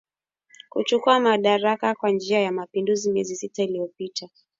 kuchukua madaraka kwa njia ya mapinduzi miezi sita iliyopita